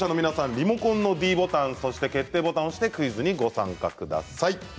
リモコンのｄボタンそして、決定ボタンを押してクイズにご参加ください。